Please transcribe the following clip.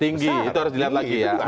tinggi itu harus dilihat lagi ya